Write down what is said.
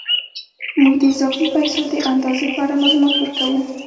موږ د اضافي پیسو د اندازې په اړه معلومات ورکوو